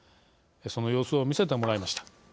その様子を見せてもらいました。